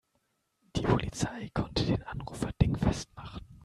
Die Polizei konnte den Anrufer dingfest machen.